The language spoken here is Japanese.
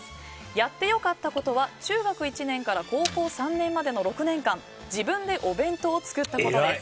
やってよかったことは中学１年から高校３年までの６年間自分でお弁当を作ったことです。